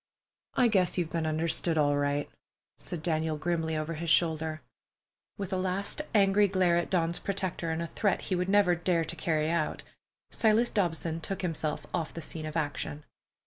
"I guess you've been understood all right," said Daniel grimly over his shoulder. With a last angry glare at Dawn's protector, and a threat he would never dare to carry out, Silas Dobson took himself off the scene of action.